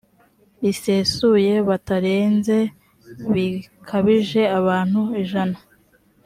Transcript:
rusesuye batarenze bikabije abantu ijana